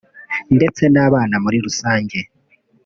ndetse n’abana muri rusange